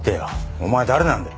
お前誰なんだよ？